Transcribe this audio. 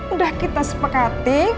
udah kita sepekati